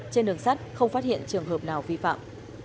trên đường sắt không phát hiện trường hợp nào vi phạm